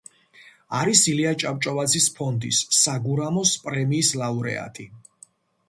არის ილია ჭავჭავაძის ფონდის „საგურამოს“ პრემიის ლაურეატი.